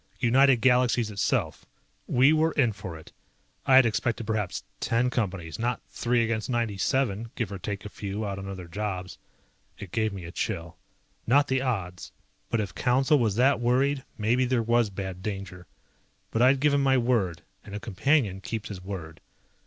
United Galaxies itself. We were in for it. I had expected perhaps ten Companies, not three against 97, give or take a few out on other jobs. It gave me a chill. Not the odds, but if Council was that worried maybe there was bad danger. But I'd given my word and a Companion keeps his word.